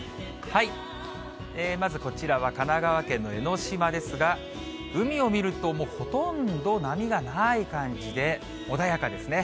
まずこちらは神奈川県の江の島ですが、海を見ると、もうほとんど波がない感じで、穏やかですね。